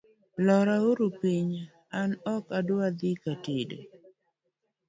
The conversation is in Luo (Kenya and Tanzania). lora uru piny an ok adwa dhi katedo